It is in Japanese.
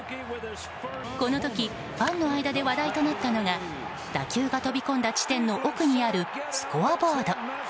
この時ファンの間で話題となったのが打球が飛び込んだ地点の奥にあるスコアボード。